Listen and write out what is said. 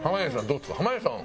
濱家さん